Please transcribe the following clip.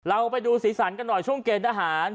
เราไปดูสีสันกันหน่อยช่วงเกณฑ์ทหาร